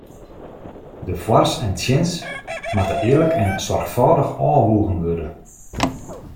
De foars en tsjins moatte earlik en soarchfâldich ôfwoegen wurde.